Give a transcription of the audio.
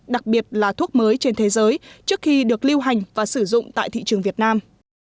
đặc biệt là thuốc mới trên thế giới trước khi được lưu hành và sử dụng tại thị trường việt nam